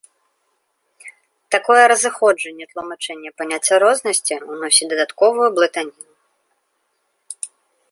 Такое разыходжанне тлумачэння паняцця рознасці ўносіць дадатковую блытаніну.